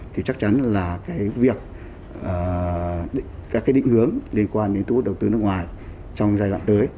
thì chắc chắn là các định hướng liên quan đến thu hút đầu tư nước ngoài trong giai đoạn tới